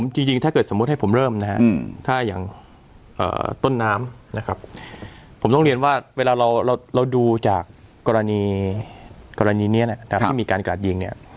จริงถ้าเกิดสมมุติให้ผมเริ่มนะฮะถ้าอย่างต้นน้ำนะครับผมต้องเรียนว่าเวลาเราดูจากกรณีนี้นะครับที่มีการกราดยิงเนี่ย